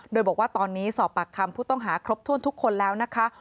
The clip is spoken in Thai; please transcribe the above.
โดยบอกว่าตอนนี้สอบปากคำผู้ต้องหาครบถ้วนทุกคนแล้วนะคะ